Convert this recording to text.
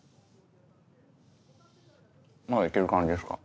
まだ行ける感じですか？